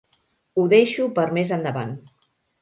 Ho deixo per més endavant.